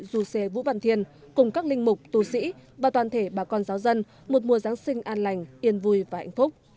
du sê vũ văn thiên cùng các linh mục tù sĩ và toàn thể bà con giáo dân một mùa giáng sinh an lành yên vui và hạnh phúc